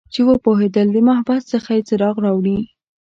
چې وپوهیدل د محبس څخه یې څراغ راوړي